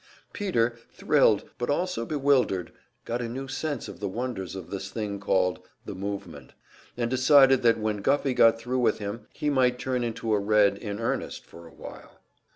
Peter, thrilled, but also bewildered, got a new sense of the wonders of this thing called "the movement," and decided that when Guffey got thru with him he might turn into a "Red" in earnest for a while.